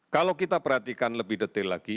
kalau kita perhatikan lebih detail lagi